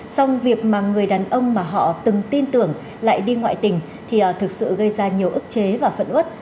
xong việc mà người đàn ông mà họ từng tin tưởng lại đi ngoại tình thì thực sự gây ra nhiều ức chế và phẫn ướt